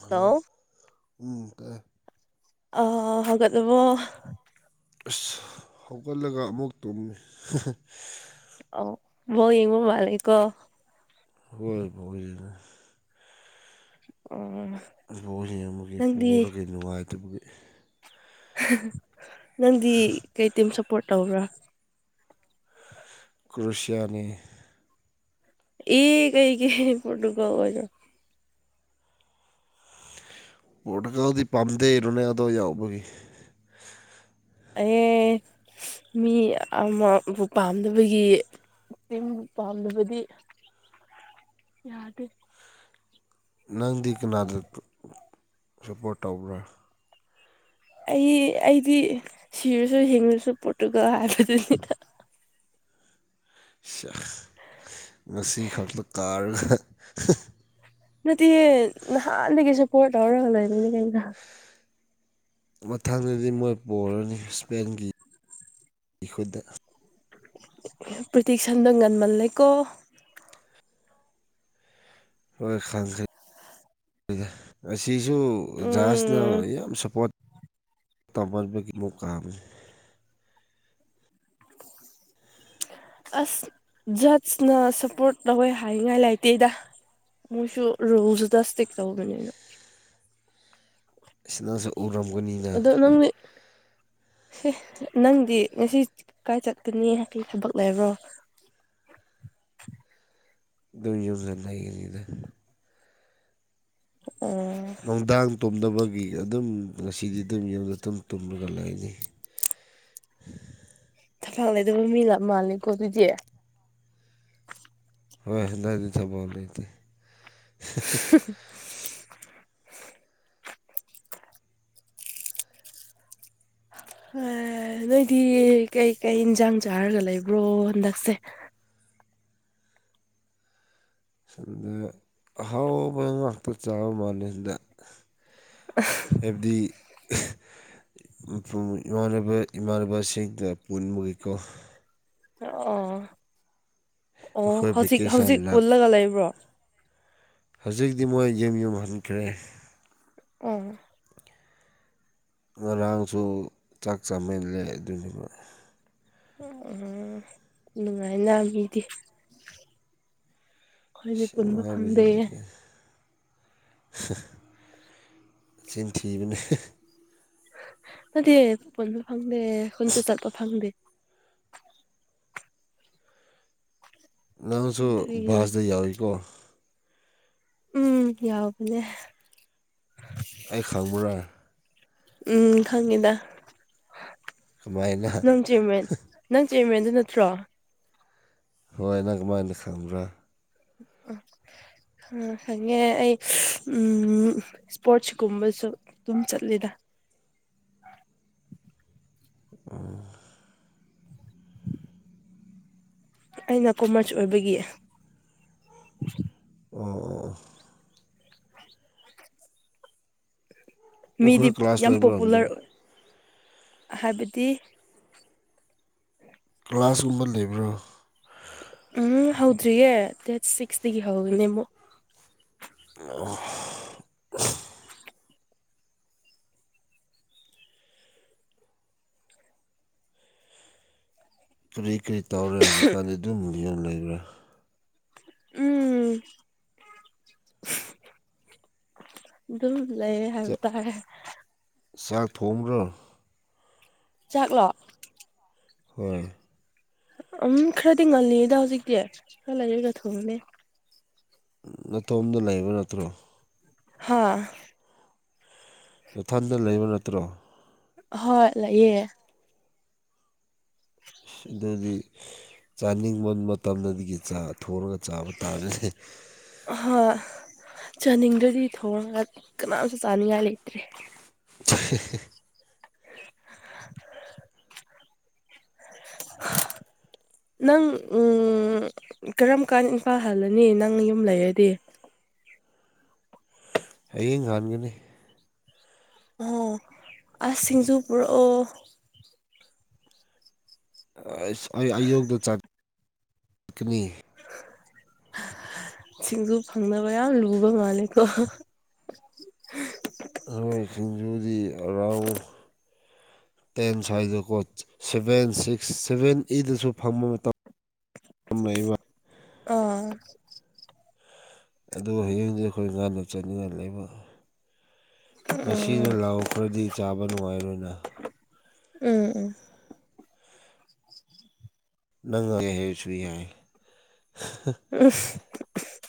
hello ꯎꯝ ꯇꯥꯏ ꯑ ꯍꯧꯒꯠꯂꯕꫭ ꯑꯁ ꯍꯧꯒꯠꯂꯒ ꯑꯃꯨꯛ ꯇꯨꯝꯃ‌ꯦ ꯑꯣ ꯕꫭꯜ ꯌꯦꯡꯕ ꯃꯥꯂꯤꯀꯣ ꯍꯣꯏ‌ ꯕꫭꯜ ꯌ‌ꯦꯡꯉ‌ꯦ ꯑꯣꯝ ꯕꫭꯜ ꯌ‌ꯦꯡꯕꯒꯤ ꯄꫭꯕꯒꯤ ꯅꯨꯡꯉꯥꯏꯇꯕꯒꯤ ꯅꯪꯗꯤ ꯀꯩꯇꯤꯝ ꯁꯞꯄꯣꯔꯠ ꯇꯧꯕ꯭ꯔꯥ ꯀꯔꫭꯁꯤꯌꯥꯅꯤ ꯏ ꯀꯩꯒꯤ ꯄꯔꯣꯇꯨꯒꯜ ꯄꯣꯇꯨꯒꯜꯗꯤ ꯄꯥꯝꯗꯦ ꯔꯣꯅꯥꯜꯗꯣ ꯌꯥꯎꯕꯒꯤ ꯑꯩ ꯃꯤ ꯑꯃꯕꯨ ꯄꯥꯝꯗꯕꯒꯤ ꯏ ꯄꯥꯝꯗꯕꯗꯤ ꯌꯥꯗꯦ ꯅꯪꯗꯤ ꯀꯅꯥꯗ ꯁꯞꯄꯣꯔꯠ ꯇꯧꯕ꯭ꯔꯥ ꯑꯩ ꯑꯩꯗꯤ ꯁꯤꯔꯁꯨ ꯍꯤꯡꯉꯁꯨ ꯄꯣꯠꯇꯨꯒ ꯍꯥꯏꯕꯗꯨꯅꯤꯗ ꯉꯁꯤ ꯈꯛꯇ ꯀꯥꯔꯒ ꯅꯠꯇꯦ ꯅꯍꯥꯟꯗꯒꯤꯁꯨ ꯄꯠ ꯇꯧꯔꯒ ꯂꯩꯕꯅꯤ ꯀꯩꯅ ꯃꯊꯪꯗꯗꯤ ꯃꯣꯏ ꯄꯣꯔꯥꯅꯤ ꯏꯁꯄꯦꯟꯒꯤ ꯈꯨꯗ ꯄ꯭ꯇꯤꯇ꯭ꯔꯤꯛ ꯁꯟꯗꯤ ꯉꯟꯃꯜꯂꯩꯀꯣ [unintelligible] ꯑꯁꯤꯁꯨ ꯖꯍꯥꯖꯅ ꯎꯝ ꯌꯥꯝ ꯁꯞꯄꯣꯔꯠ [unintelligible] ꯑꯁ ꯖꯠꯁꯅ ꯁꯞꯄꯣꯔꯠ ꯇꯧꯋꯦ ꯍꯥꯏꯅꯤꯡꯉꯥꯏ ꯂꯩꯥꯏꯇꯦꯗ ꯃꯣꯏꯁꯨ ꯔꯨꯖ ꯗꯁꯇꯦꯛ ꯇꯧꯕꯅꯤꯅ ꯁꯤꯅꯁꯨ ꯎꯔꯝ ꯑꯗꯣ ꯅꯪꯅꯦ ꯁꯤ ꯅꯪꯗꯤ ꯉꯁꯤ ꯀꯥꯏ ꯆꯠꯀꯅꯤ ꯍꯥꯏ ꯊꯕꯛ ꯂꯩꯕ꯭ꯔꯣ ꯑꯗꯨ ꯌꯨꯝꯖ ꯂꯩꯒꯦꯅꯤ ꯏꯗ ꯑꯣ ꯅꯨꯡꯗꯥꯡ ꯇꯨꯝꯅꯕꯒꯤ ꯑꯗꯨꯝ ꯉꯁꯤꯗꯤ ꯑꯗꯨꯝ ꯌꯨꯝꯗ ꯑꯗꯨꯝ ꯇꯨꯝꯂꯒ ꯂꯩꯅꯤ ꯊꯐꯥꯛ ꯂꯩꯗꯕ ꯃꯤ ꯂꯞ ꯃꯥꯜꯂꯜꯂꯤꯀꯣ ꯑꯗꯨꯗꯤ ꯍꯣꯏ [unintelligible] [inaudible] ꯅꯣꯏꯗꯤ ꯀꯩꯀꯩ ꯏꯟꯖꯡ ꯆꯥꯔꯒ ꯂꯩꯕ꯭ꯔꯣ ꯍꯟꯗꯛꯁꯦ ꯁꯗ ꯑꯍꯥꯎꯕ ꯉꯥꯛꯇ ꯆꯥꯕ ꯃꯜꯂꯤꯗ [unintelligible] ꯍꯥꯏꯕꯗꯤ ꯏꯃꯥꯟꯅꯕ ꯏꯃꯥꯟꯅꯕꯁꯤꯡꯗ ꯄꯨꯟꯕꯒꯤꯀꯣ ꯑꯣ ꯑꯣ ꯑꯩꯈꯣꯏ ꯍꯧꯖꯤꯛ ꯍꯧꯖꯤꯛ ꯚꯦꯀꯦꯁꯟ ꯂꯥꯛ ꯄꯨꯜꯂꯒ ꯂꯩꯕ꯭ꯔꯣ ꯍꯧꯖꯤꯛꯇꯤ ꯃꯣꯏ ꯌꯨꯝ ꯌꯨꯝ ꯍꯟꯈ꯭ꯔꯦ ꯑꯣ ꯉꯔꯥꯡꯁꯨ ꯆꯥꯛ ꯆꯥꯃꯜꯂꯦ ꯑꯗꯨꯅꯦꯕ ꯅꯨꯡꯉꯥꯏꯅ ꯃꯤꯗꯤ ꯑꯩꯈꯣꯏꯗꯤ ꯑꯁ ꯄꯨꯟꯕ ꯅꯨꯡꯉꯥꯏꯕꯁꯤ ꯐꯪꯗꯦ ꯁꯤꯟ ꯊꯤꯕꯅꯦ ꯅꯠꯇꯦꯄꯣꯟꯁꯨ ꯐꯪꯗꯦ ꯈꯨꯟꯁꯨ ꯆꯠꯄ ꯐꯪꯗꯦ ꯅꯪꯁꯨ ꯑꯗꯨꯒꯤ [unintelligible] ꯌꯥꯎꯋꯏꯀꯣ ꯎꯝ ꯌꯥꯎꯕꯅꯦ ꯑꯩ ꯈꯪꯕ꯭ꯔꯥ ꯎꯝ ꯈꯪꯉꯤꯗ ꯀꯃꯥꯏꯅ ꯅꯪ ꯆꯤꯌꯔꯃꯦꯟ ꯅꯪ ꯆꯦꯝꯃꯦꯟꯗꯨ ꯅꯠꯇ꯭ꯔꯣ ꯍꯣꯏ ꯅꯪ ꯀꯥꯃꯥꯥꯏꯅ ꯈꯪꯕꯔ ꯍꯪꯉꯦ ꯑꯩ ꯎꯝ ꯏꯁ꯭ꯄꯣꯔꯠꯁ ꯀꯨꯝꯕꯁꯨ ꯑꯗꯨꯝ ꯆꯠꯂꯤꯗ ꯎꯝ [unintelligible] ꯑꯩꯅ ꯀꯣꯃꯔꯁ ꯑꯣꯏꯕꯒꯤ ꯋꯥꯎ [unintelligible] ꯑ [unintelligible] ꯃꯤꯗꯤ ꯅꯈꯣꯏ ꯀ꯭ꯂꯥꯁ ꯌꯥꯝ ꯂꯩꯕ꯭ꯔꯥ ꯑꯝꯇ ꯄꯣꯄꯨꯂꯔ ꯍꯥꯏꯕꯗꯤ ꯀ꯭ꯂꯥꯁꯀꯨꯝꯕ ꯂꯩꯕ꯭ꯔꯣ ꯎꯝ ꯍꯧꯗ꯭ꯔꯤꯌꯦ ꯗꯦꯠ ꯁꯤꯛꯁꯇꯒꯤ ꯍꯧꯅꯦ ꯑꯃꯨꯛ ꯑ [unintelligible] ꯀꯔꯤ ꯀꯔꯤ ꯇꯧꯔꯦ ꯍꯧꯖꯤꯛꯀꯥꯟꯗꯤ ꯑꯗꯨꯝꯗꯤ ꯌꯨꯝ ꯂꯩꯕ꯭ꯔꯥ ꯎꯝ [unintelligible] ꯑꯗꯨꯝ ꯂꯩ ꯍꯥꯏꯕ ꯆꯥꯛ ꯇꯥꯔꯦ ꯆꯥꯛ ꯊꯣꯡꯕ꯭ꯔꯣ ꯆꯥꯛꯂꯣ ꯍꯣꯏ ꯎꯝ ꯈꯔꯗꯤ ꯉꯜꯂꯤꯗ ꯍꯧꯖꯤꯛꯇꯤ ꯈꯔ ꯂꯩꯔꯒ ꯊꯣꯡꯅꯤ ꯅꯇꯣꯝꯗ ꯂꯩꯕ ꯅꯠꯇ꯭ꯔꯣ ꯍꯥꯥ ꯅꯊꯟꯗ ꯂꯩꯕ ꯅꯠꯇ꯭ꯔꯣ ꯍꯣꯏ ꯂꯩꯥꯌꯦ ꯁꯤꯗꯗꯤ ꯆꯥꯅꯤꯡꯕ ꯃꯇꯝꯗꯗꯤ ꯍꯦꯟꯖꯥꯡ ꯊꯣꯡꯂꯒ ꯆꯥꯕ ꯇꯥꯔꯦꯅꯦ ꯆꯥꯅꯤꯡꯗ꯭ꯔꯗꯤ ꯊꯣꯡꯉꯒ ꯀꯅꯥꯝꯁꯨ ꯆꯥꯅꯤꯡꯉꯥꯏ ꯂꯩꯇ꯭ꯔꯦ [unintelligible] [inaudible] [unintelligible] [inaudible] ꯅꯪ ꯀꯔꯝ ꯀꯥꯟ ꯏꯝꯐꯥꯜ ꯍꯜꯂꯅꯤ ꯅꯪ ꯌꯨꯝ ꯂꯩꯔꯗꯤ ꯍꯌꯦꯡ ꯍꯟꯒꯅꯤ ꯑꯣ ꯑꯁ ꯁꯤꯡꯖꯨ ꯄꯨꯔꯛꯑꯣ ꯑꯁ ꯑꯩ ꯑꯌꯣꯛꯛꯇ ꯆꯠꯀꯅꯤ [inaudible] ꯁꯤꯡꯖꯨ ꯐꯪꯅꯕ ꯌꯥꯝ ꯂꯨꯕ ꯃꯥꯜꯂꯦꯀꯣ [unintelligible] ꯇꯦꯟ ꯁ꯭ꯋꯥꯏꯗꯀꯣ ꯁꯚꯦꯟ ꯁꯤꯛꯁ ꯁꯚꯦꯟ ꯑꯦꯗꯁꯨ ꯐꯪꯕ ꯃꯇꯝ [unintelligible] ꯑꯥ [unintelligible] ꯑꯗꯨ ꯍꯌꯦꯡꯁꯦ ꯑꯩꯈꯣꯏ ꯉꯥꯅꯨ ꯆꯅꯤꯡꯉꯥꯏ ꯂꯩꯕ ꯎꯝ ꯃꯁꯤꯅ ꯂꯥꯛꯑꯣ ꯈꯔꯗꯤ ꯆꯥꯕ ꯅꯨꯡꯉꯥꯏꯔꯣꯏꯅ ꯎꯝ ꯎꯝ [unintelligible] [unintelligible] ꯎ [unintelligible]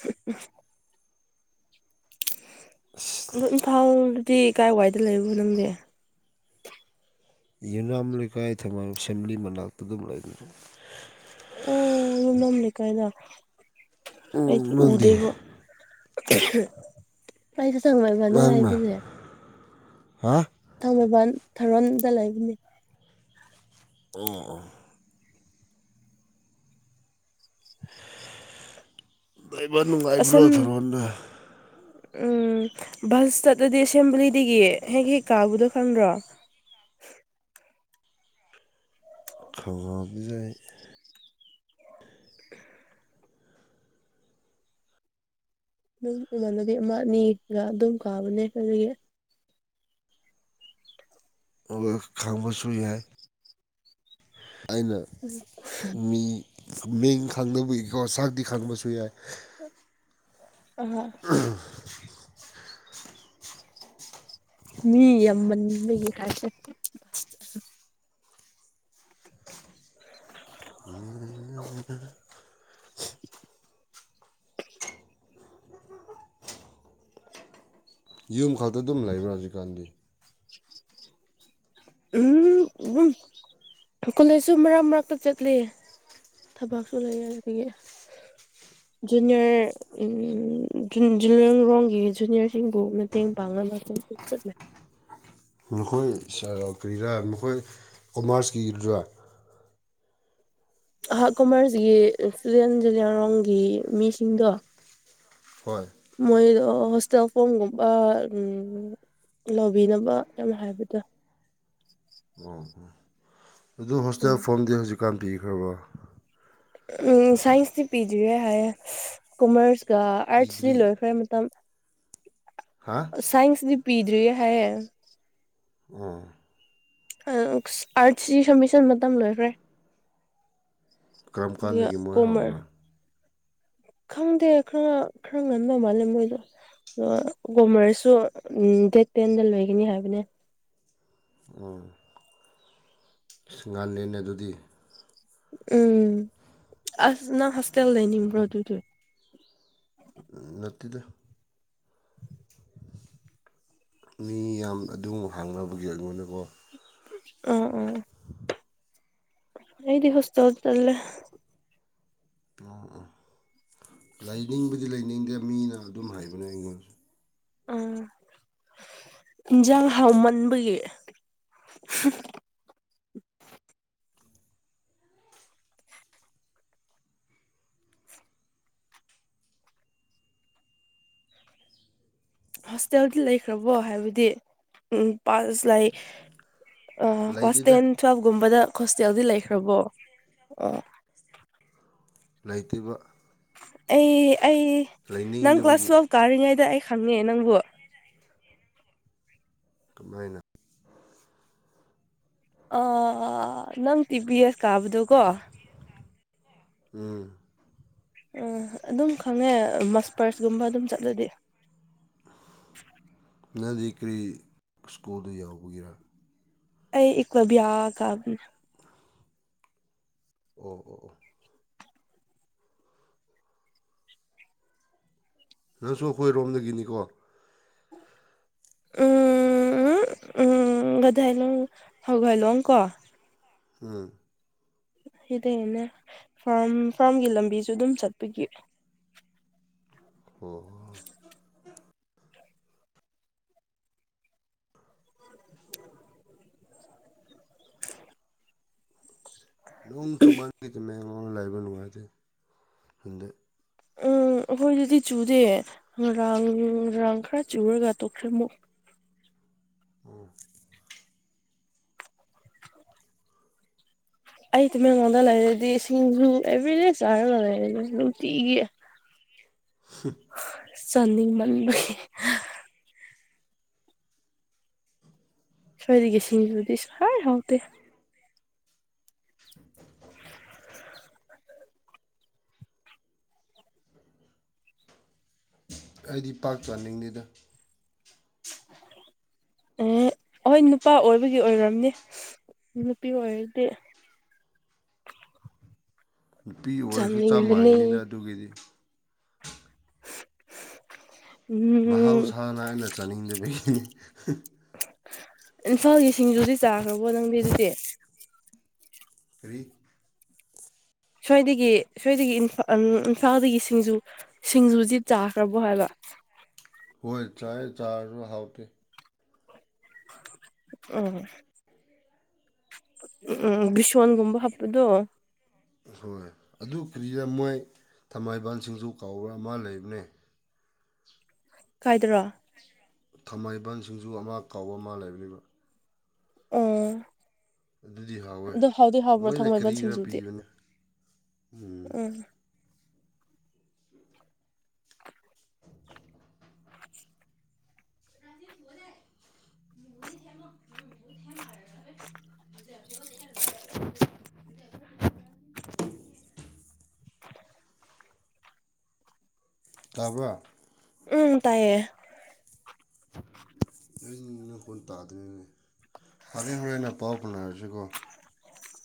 ꯑꯗꯣ ꯏꯝꯐꯥꯜꯗꯗꯤ ꯀꯥꯏꯋꯥꯏꯗ ꯂꯩꯕꯅꯣ ꯅꯪꯗꯤ ꯌꯨꯅꯥꯝ ꯂꯩꯀꯥꯏ ꯊꯝꯃ ꯑꯦꯁꯦꯝꯕ꯭ꯂꯤ ꯃꯅꯥꯛꯇ ꯑꯗꯨꯝ ꯂꯩꯕꯅꯦ ꯎ ꯌꯨꯃꯝꯅꯥꯝ ꯂꯩꯀꯥꯏꯗ ꯎꯝ ꯑꯩꯗꯤ ꯅꯪꯗꯤ ꯎꯗꯦꯕꯣ ꯄꯥꯏꯁ ꯆ ꯍꯃꯥꯏ ꯃꯅ ꯍꯥꯏ ꯅꯪꯅ ꯄꯁꯦ [unintelligible] ꯍꯥ [unintelligible] ꯊꯥꯡꯃꯩꯕꯥꯟ ꯊꯧꯔꯣꯟꯗ ꯂꯩꯕꯅꯦ ꯑꯣ ꯑꯣ ꯗꯏꯕꯔ ꯅꯨꯡꯉꯥꯏꯕ꯭ꯔꯣ ꯑꯁꯦꯝ ꯊꯔꯣꯟꯗ ꯎꯝ ꯚꯜꯁꯇꯠꯂꯗꯤ ꯑꯦꯁꯦꯝꯕ꯭ꯂꯤꯗꯤꯒꯤ ꯍꯦꯛ ꯍꯦꯛ ꯀꯥꯕꯗꯣ ꯈꯪꯗ꯭ꯔꯣ ꯈꯧꯉꯧꯖꯩ ꯅꯝ ꯏꯃꯥꯟꯅꯕꯤ ꯑꯃ ꯑꯅꯤꯒ ꯑꯗꯨꯝ ꯀꯥꯕꯅꯦ ꯑꯗꯨꯒꯤ ꯑꯧꯒ ꯈꯪꯕꯁꯨ ꯌꯥꯏ ꯑꯩꯅ ꯃꯤ ꯃꯤꯡ ꯈꯥꯡꯗꯕꯒꯤꯀꯣ ꯁꯥꯛꯇꯤ ꯈꯥꯡꯕꯁꯨ ꯌꯥꯏ ꯑꯍ ꯃꯤ ꯌꯥꯝꯃꯟꯕꯒꯤ ꯍꯥꯢꯞꯁꯦ [unintelligible] ꯎꯝꯝ ꯌꯨꯝ ꯈꯛꯇ ꯑꯗꯨꯝ ꯂꯩꯕ꯭ꯔꯥ ꯍꯧꯖꯤꯛꯀꯥꯟꯗꯤ ꯎꯝ ꯎꯝ ꯀꯣꯂꯦꯖꯁꯨ ꯃꯔꯛ ꯃꯔꯛꯇ ꯆꯠꯂꯤ ꯊꯕꯛꯁꯨ ꯂꯩꯌꯦ ꯑꯗꯨꯗꯒꯤ ꯖꯨꯅꯤꯌꯔ ꯎ ꯖꯔ ꯔꯣꯝꯒꯤ ꯖꯨꯅꯤꯌꯔꯁꯤꯡꯕꯨ ꯃꯇꯦꯡ ꯄꯥꯡꯅꯕ ꯆꯠꯂꯩ ꯅꯈꯣꯏ ꯁꯥꯔꯔ ꯀꯔꯤꯔ ꯃꯈꯣꯏ ꯀꯣꯃꯥꯔꯁꯀꯤꯗꯨꯔꯥ ꯑꯍ ꯀꯣꯃꯔꯁꯒꯤ ꯁꯇꯨꯗꯦꯟ ꯖꯨꯅꯤꯌꯥꯔꯣꯡꯒꯤ ꯃꯤꯁꯤꯡꯗꯣ ꯍꯣꯏ ꯃꯣꯏꯗꯣ ꯍꯣꯁꯇꯦꯜ ꯐꯣꯝꯒꯨꯝꯕ ꯎꯝ ꯂꯧꯕꯤꯅꯕ ꯌꯥꯝ ꯍꯥꯏꯕꯗ ꯑꯣ ꯑꯣ ꯑꯗꯨ ꯍꯣꯁꯇꯦꯜ ꯎꯝ ꯐꯣꯔꯝꯗꯤ ꯍꯧꯖꯤꯛꯀꯥꯟ ꯄꯤꯈ꯭ꯔꯕ ꯎ ꯁꯥꯏꯟꯁꯇꯤ ꯄꯤꯗ꯭ꯔꯤꯌꯦ ꯍꯥꯏꯌꯦ ꯀꯣꯃꯔꯁꯀ ꯑꯥꯔꯠꯁꯇꯤ ꯄꯤꯗ꯭ꯔꯤ ꯂꯣꯏꯈ꯭ꯔꯦ ꯃꯇꯝ ꯍꯥ ꯁꯥꯏꯟꯁꯗꯤ ꯄꯤꯗ꯭ꯔꯤꯌꯦ ꯍꯥꯏꯌꯦ ꯑꯍꯎꯝ ꯑ ꯑꯨꯛꯁ ꯑꯥꯔꯠꯁꯤ ꯁꯃꯤꯁꯟ ꯃꯇꯝ ꯂꯣꯏꯈ꯭ꯔꯦ ꯀꯔꯝ ꯑꯗꯨꯢꯌ ꯀꯥꯟꯗꯒꯤ ꯃꯣꯏ ꯀꯣꯃꯔ ꯍꯧꯕ꯭ꯔꯥ ꯈꯪꯗꯦ ꯈꯔ ꯈꯔ ꯉꯟꯕ ꯃꯥꯜꯂꯦ ꯃꯣꯏꯗꯣ ꯗꯨꯑ ꯀꯣꯃꯔꯁꯨ ꯗꯦꯠ ꯇꯦꯟꯗ ꯂꯣꯏꯒꯅꯤ ꯍꯥꯏꯕꯅꯦ ꯎ ꯑ ꯑꯤꯁ ꯉꯜꯂꯦꯅꯦ ꯑꯗꯨꯗꯤ ꯎꯝ ꯑꯁ ꯅꯪ ꯍꯣꯁꯇꯦꯜ ꯂꯩꯅꯤꯡꯕ꯭ꯔꯣ ꯑꯗꯨꯗꯤ ꯎꯝ ꯅꯠꯇꯗ ꯃꯤ ꯌꯥꯝ ꯑꯗꯨ ꯍꯥꯡꯅꯕꯒꯤ ꯑꯩꯉꯣꯟꯗꯀꯣ ꯑꯣ ꯑꯣ ꯑꯩꯗꯤ ꯍꯣꯁꯇꯜ ꯇꯜꯂꯦ ꯎꯝ ꯎꯝ ꯂꯩꯅꯤꯡꯕꯗꯤ ꯂꯩꯅꯤꯡꯗꯦ ꯃꯤꯅ ꯑꯗꯨꯝ ꯍꯥꯏꯕꯅꯦ ꯑꯩꯉꯣꯟ ꯎꯝ ꯏꯟꯖꯥꯡ ꯍꯥꯎꯃꯟꯕꯒꯤ ꯍꯣꯁꯇꯦꯜꯗꯤ ꯂꯩꯈ꯭ꯔꯕꯣ ꯍꯥꯏꯕꯗꯤ ꯎꯝ ꯄꯥꯁ ꯂꯩ ꯑ ꯀ꯭ꯂꯁ ꯂꯩꯇꯦꯗ ꯇꯦꯟ ꯇꯨꯋꯦꯞꯒꯨꯝꯕꯗ ꯍꯣꯁꯇꯦꯜꯗꯤ ꯂꯩꯈ꯭ꯔꯕꯣ ꯑꯣ ꯂꯩꯇꯤꯕ ꯑꯩ ꯑꯩ ꯅꯪ ꯀ꯭ꯂꯥꯁ ꯂꯩꯅꯤꯡꯗꯕꯒꯤ ꯇꯨꯋꯦꯜꯐ ꯀꯥꯔꯤꯉꯩꯗ ꯑꯩ ꯈꯪꯉꯦ ꯅꯪꯕꯨ ꯀꯃꯥꯏꯅ ꯑ.... ꯅꯪ ꯇꯤꯕꯤ ꯑꯦꯁ ꯀꯥꯕꯗꯨꯀꯣ ꯎꯝ ꯎꯝ ꯑꯗꯨꯝ ꯈꯪꯉꯦ ꯃꯁꯄꯔꯁꯀꯨꯝꯕ ꯑꯗꯨꯝ ꯆꯠꯂꯗꯤ ꯅꯪꯗꯤ ꯀꯔꯤ ꯁ꯭ꯀꯨꯜꯗ ꯌꯥꯎꯕꯒꯤꯔꯥ ꯑꯩ ꯏꯀꯂ꯭ꯕꯌ꯭ꯥ ꯀꯥꯕꯅꯦ ꯑꯣ ꯑꯣ ꯑꯣ ꯅꯪꯁꯨ ꯑꯩꯈꯣꯏꯔꯣꯝꯗꯒꯤꯅꯤꯀꯣ ꯎꯝ ꯎꯝ ꯒꯙꯥꯏꯂꯣꯡ ꯊꯒꯥꯏꯂꯣꯡ ꯀꯣ ꯎꯝ ꯁꯤꯗꯦꯅꯦ ꯐꯥꯔꯝ ꯐꯥꯔꯝꯒꯤ ꯂꯝꯕꯤꯁꯨ ꯑꯗꯨꯝ ꯆꯠꯄꯒꯤ ꯑꯣ [inaudible] [inaudible] ꯅꯣꯡ ꯆꯨꯃꯟ ꯇꯃꯦꯡꯂꯣꯡ ꯂꯩꯕ ꯅꯨꯡꯉꯥꯏꯇꯦ ꯈꯪꯗꯦ ꯎꯝ ꯑꯈꯣꯏꯗꯗꯤ ꯆꯨꯗꯦ ꯉꯔꯥꯡ ꯔꯥꯡ ꯈꯔ ꯆꯨꯔꯒ ꯇꯣꯛꯈ꯭ꯔꯦ ꯑꯃꯨꯛ ꯎꯝ ꯑꯩ ꯇꯃꯦꯟꯂꯣꯟꯗ ꯂꯩꯔꯗꯤ ꯁꯤꯡꯖꯨ ꯑꯦꯚ꯭ꯔꯤꯗꯦ ꯆꯥꯔꯒ ꯂꯩꯔꯅꯤ ꯅꯨꯡꯇꯤꯒꯤ [inaudible] [inaudible] ꯆꯅꯤꯡꯃꯟꯕꯒꯤ ꯁꯋ꯭ꯥꯏꯗꯒꯤ ꯁꯤꯡꯖꯨꯗꯤ ꯁꯋ꯭ꯥꯏ ꯍꯥꯎꯇꯦ [inaudible] ꯑꯩꯗꯤ ꯄꯥꯛ ꯆꯅꯤꯡꯗꯦꯗ ꯑꯦ ꯑꯣꯏ ꯅꯨꯄꯥ ꯑꯣꯏꯕꯒꯤ ꯑꯣꯏꯔꯝꯅꯤ ꯅꯨꯄꯤ ꯑꯣꯏꯔꯗꯤ ꯅꯨꯄꯤ ꯑꯣꯏꯔꯁꯨ ꯆꯞ ꯆꯥꯅꯤꯡꯕꯅꯤ ꯃꯥꯉꯤꯅꯤꯗ ꯑꯗꯨꯒꯤꯗꯤ ꯎꯝ ꯃꯍꯥꯎꯁꯥꯅ ꯑꯩꯅ ꯆꯥꯅꯤꯡꯗꯕꯒꯤ ꯏꯝꯐꯥꯜꯒꯤ ꯁꯤꯡꯖꯨꯗꯤ ꯆꯥꯈ꯭ꯔꯕꯣ ꯅꯪꯗꯤ ꯗꯨꯗꯤ ꯀꯔꯤ ꯁ꯭ꯋꯥꯏꯗꯒꯤ ꯁ꯭ꯋꯥꯏꯗꯒꯤ ꯏꯝꯐꯥ ꯑꯝ ꯏꯝꯐꯥꯜꯗꯒꯤ ꯁꯤꯡꯖꯨ ꯁꯤꯡꯖꯨꯖꯤ ꯆꯥꯈ꯭ꯔꯕꯣ ꯍꯥꯏꯕ ꯍꯣꯏ ꯆꯥꯏ ꯆꯥꯔꯖꯨ ꯍꯥꯎꯇꯦ ꯎꯝ ꯎꯝ ꯎꯝ ꯕꯤꯁꯣꯟꯒꯨꯝꯕ ꯍꯥꯞꯄꯗꯣ ꯍꯣꯏ ꯑꯗꯨ ꯀꯔ꯭ꯤꯔꯥ ꯃꯣꯏ ꯊꯃꯥꯏꯕꯥꯟ ꯁꯤꯡꯖꯨ ꯀꯧꯕ ꯑꯃ ꯂꯩꯕꯅꯦ ꯀꯥꯏꯗꯔꯣ ꯊꯥꯃꯩꯕꯟ ꯁꯤꯡꯖꯨ ꯑꯃ ꯀꯧꯕ ꯑꯃ ꯂꯩꯕꯅꯦꯕ ꯑꯣ ꯑꯗꯨꯗꯤ ꯍꯥꯎꯋꯦ ꯑꯗꯣ ꯍꯥꯎꯗꯤ ꯍꯥꯎꯕ꯭ꯔꯣ ꯃꯣꯏꯅ ꯊꯥꯡꯃꯩꯕꯟ ꯀꯔꯤꯔ ꯁꯤꯡꯖꯨꯗꯤ ꯄꯤꯕꯅꯦ ꯎꯝ [inaudible] [unintelligible] [inaudible] ꯇꯥꯕ꯭ꯔ ꯎꯝ ꯇꯥꯏꯌꯦ ꯅꯡ ꯅꯪꯈꯣꯟ ꯇꯥꯗꯔ꯭ꯦꯅꯦ ꯐꯔꯦ ꯍꯣꯔꯦꯟ ꯅ ꯄꯥꯎ ꯐꯥꯎꯅꯔꯁꯤꯀꯣ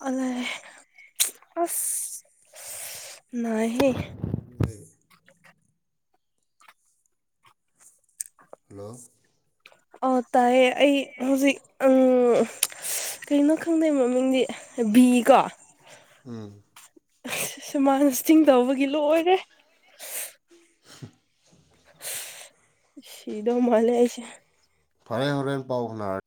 ꯑꯣꯂꯥꯏ ꯑꯁ ꯅꯥꯏꯍꯦ ꯍꯜꯂꯣ ꯑꯣ ꯇꯥꯏꯌꯦ ꯑꯩ ꯍꯧꯖꯤꯛ ꯎꯡ ꯀꯩꯅꯣ ꯈꯪꯗꯦ ꯃꯃꯤꯡꯗꯤ ꯕꯤꯀꯣ ꯁꯨꯃꯅ ꯆꯤꯡ ꯇꯧꯕꯒꯤ ꯂꯣꯏꯔꯦ ꯁꯤꯗꯣ ꯃꯥꯂꯦꯁꯦ ꯍꯔꯦꯟ ꯍꯔꯦꯟ ꯄꯥꯎ ꯁꯅꯔ